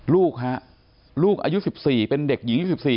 ลูกฮะลูกอายุ๑๔เป็นเด็กหญิง๒๔